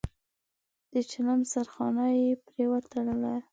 د چيلم سرخانه يې پرې وتړله.